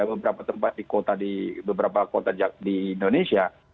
beberapa tempat di kota di indonesia